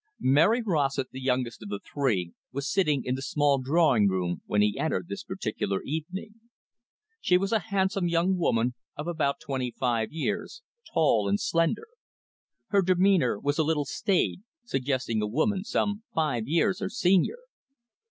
Mary Rossett, the youngest of the three, was sitting in the small drawing room when he entered this particular evening. She was a handsome young woman of about twenty five years, tall and slender. Her demeanour was a little staid, suggesting a woman some five years her senior.